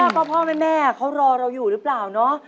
พ่อแม่เขารอเราอยู่หรือเปล่าเนาะ